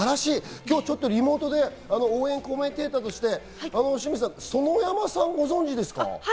今日、リモートで応援コメンテーターとして園山さんをご存じですか？